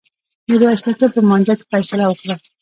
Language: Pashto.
میرويس نیکه په مانجه کي فيصله وکړه.